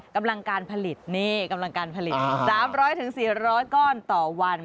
กำลังการผลิต๓๐๐๔๐๐ก้อนต่อวัน